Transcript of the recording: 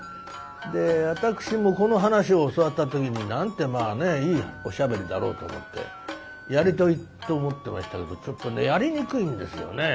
で私もこの噺を教わった時になんてまあねいいおしゃべりだろうと思ってやりたいと思ってましたけどちょっとねやりにくいんですよね。